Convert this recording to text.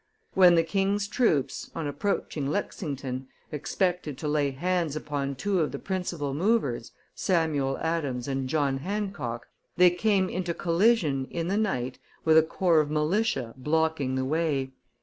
When the king's troops, on approaching Lexington, expected to lay hands upon two of the principal movers, Samuel Adams and John Hancock, they came into collision, in the night, with a corps of militia blocking the way.